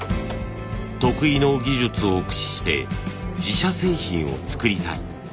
得意の技術を駆使して自社製品を作りたい。